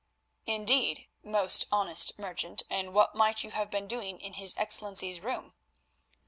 "Indeed, most honest merchant, and what might you have been doing in his Excellency's room?"